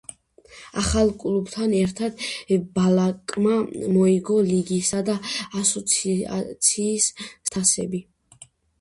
ახალ კლუბთან ერთად ბალაკმა მოიგო ლიგისა და ასოციაციის თასები.